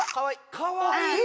かわいい！